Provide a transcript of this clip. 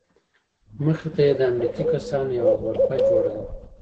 مخې ته یې د امنیتي کسانو یوه غرفه جوړه ده.